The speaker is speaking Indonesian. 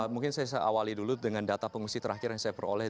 mungkin saya awali dulu dengan data pengungsi terakhir yang saya peroleh